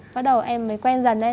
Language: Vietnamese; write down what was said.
bắt đầu em mới quen dần ấy